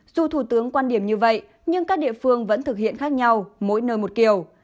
dù thủ tướng quan điểm như vậy nhưng các địa phương vẫn thực hiện khác nhau mỗi nơi một kiểu